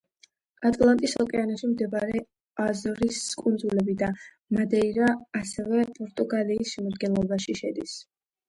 ატლანტის ოკეანეში მდებარე აზორის კუნძულები და მადეირა ასევე პორტუგალიის შემადგენლობაში შედის.